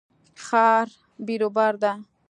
ښار بیروبار ده